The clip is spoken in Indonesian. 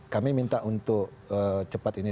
kami minta untuk cepat ini